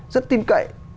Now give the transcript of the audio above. rất tin cậy